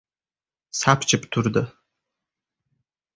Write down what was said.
Sapchib turdi.